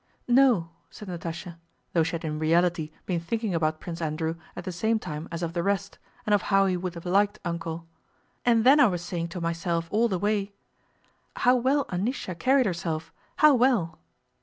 "No," said Natásha, though she had in reality been thinking about Prince Andrew at the same time as of the rest, and of how he would have liked "Uncle." "And then I was saying to myself all the way, 'How well Anísya carried herself, how well!